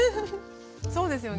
そうですよね。